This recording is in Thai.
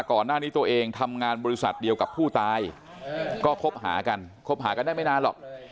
ก่อนหน้านี้ตัวเองทำงานบริษัทเดียวกับผู้ตายก็คบหากันคบหากันได้ไม่นานหรอก